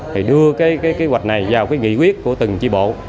thì đưa cái kế hoạch này vào cái nghị quyết của từng chi bộ